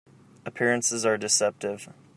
Appearances are deceptive.